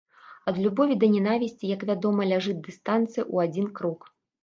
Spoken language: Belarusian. Ад любові да нянавісці, як вядома, ляжыць дыстанцыя ў адзін крок.